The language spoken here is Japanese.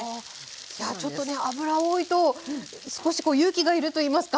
いやちょっとね油多いと少しこう勇気が要るといいますか。